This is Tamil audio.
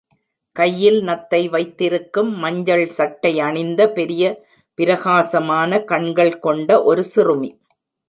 கையில் நத்தை வைத்திருக்கும் மஞ்சள் சட்டை அணிந்த பெரிய பிரகாசமான கண்கள் கொண்ட ஒரு சிறுமி.